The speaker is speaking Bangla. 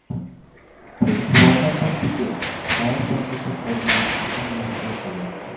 খবর পেয়ে সোয়া চারটার দিকে ফায়ার সার্ভিসের কর্মীরা আগুন নিভিয়ে ফেলেন।